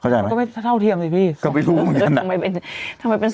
เข้าใจไหมก็ไม่เท่าเทียมสิพี่ก็ไม่รู้เหมือนกันนะเออทำไมเป็น